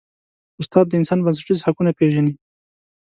استاد د انسان بنسټیز حقونه پېژني.